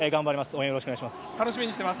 応援よろしくお願いします。